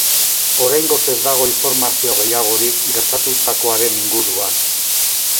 Oraingoz ez dago informazio gehiagorik gertatutakoaren inguruan.